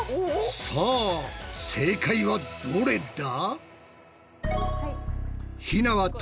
さあ正解はどれだ？